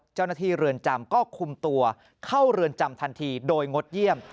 เรือนจำก็คุมตัวเข้าเรือนจำทันทีโดยงดเยี่ยม